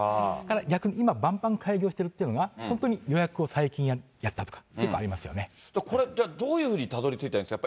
逆に今、ばんばん開業してるというのが、本当に予約が最近やったとか、これって、じゃあ、どうやってたどりついたんですか。